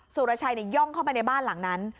สุรชัยย่องเข้าไปในบ้านหลังนั้น